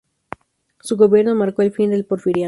Su gobierno marcó el fin del Porfiriato.